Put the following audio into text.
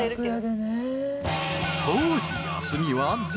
［当時休みはゼロ］